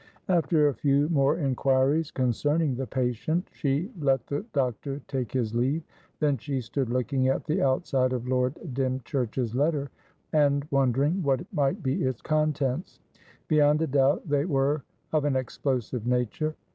After a few more inquiries concerning the patient, she let the doctor take his leave. Then she stood looking at the outside of Lord Dymchurch's letter, and wondering what might be its contents. Beyond a doubt, they were of an explosive nature.